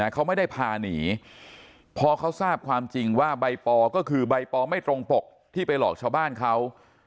เขาไม่ได้พาหนีพอเขาทราบความจริงว่าใบปอก็คือใบปอไม่ตรงปกที่ไปหลอกชาวบ้านเขา